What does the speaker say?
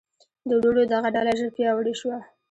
د وروڼو دغه ډله ژر پیاوړې شوه.